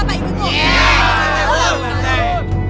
iya pak rt